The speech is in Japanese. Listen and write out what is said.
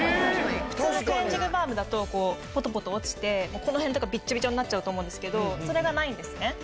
普通のクレンジングバームだとこうポトポト落ちてこの辺とかビッチャビチャになっちゃうと思うんですけどそれがないんですね。